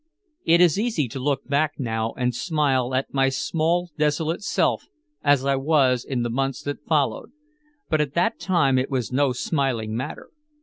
It is easy to look back now and smile at my small desolate self as I was in the months that followed. But at the time it was no smiling matter.